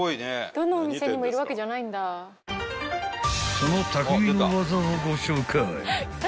［その匠の技をご紹介］